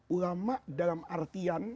ulama dalam artian